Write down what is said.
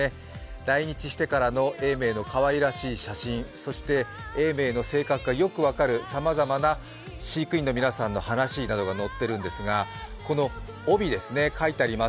来日してからの永明のかわいらしい写真、そして永明の性格がよく分かるさまざまな飼育員の皆さんの話などが載っているんですがこの帯、書いてあります